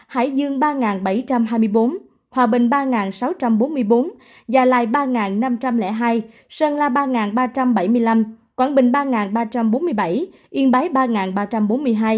hải dương ba bảy trăm hai mươi bốn hòa bình ba sáu trăm bốn mươi bốn gia lai ba năm trăm linh hai sơn la ba ba trăm bảy mươi năm quảng bình ba ba trăm bốn mươi bảy yên bái ba ba trăm bốn mươi hai